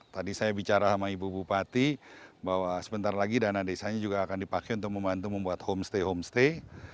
tadi saya bicara sama ibu bupati bahwa sebentar lagi dana desanya juga akan dipakai untuk membantu membuat homestay homestay